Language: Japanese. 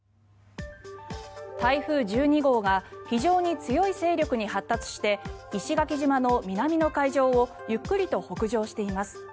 台風１２号が非常に強い勢力に発達して石垣島の南の海上をゆっくりと北上しています。